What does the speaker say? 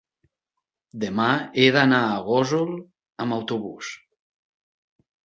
demà he d'anar a Gósol amb autobús.